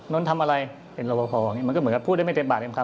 น้นทำอะไรเป็นรอบพออย่างนี้มันก็เหมือนกับพูดได้ไม่เต็มปากเต็มคำ